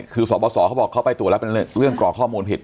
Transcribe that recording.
คือสบสเขาบอกเขาไปตรวจแล้วเป็นเรื่องกรอกข้อมูลผิด